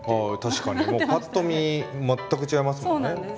確かにパッと見全く違いますもんね。